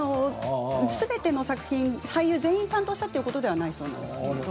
すべての作品、俳優全員担当したということではないそうなんですけれど。